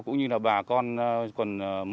cũng như là bà con còn